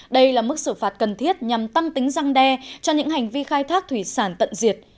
đây là mức xử phạt cần thiết nhằm tăng tính răng đe cho những hành vi khai thác thủy sản tận diệt